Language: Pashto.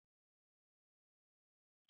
زه هره ورځ د کتابتون کتابونه لوستل کوم!!